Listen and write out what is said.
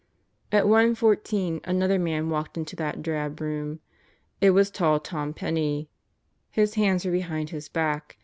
At 1 : 14 another man walked into that drab room. It was tall Tom Penney. His hands were behind his back.